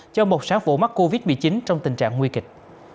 cho một sáng vụ mắc covid một mươi chín trong tình trạng nguy kịch